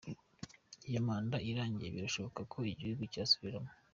Iyo manda irangiye birashoboka ko igihugu cyasubiramo.